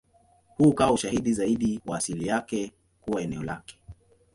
Huu ukawa ushahidi zaidi wa asili yake kuwa eneo lake.